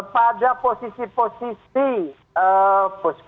pada posisi posisi kapus lapfor penyidik